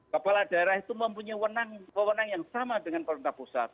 kepala daerah itu mempunyai kewenangan yang sama dengan pemerintah pusat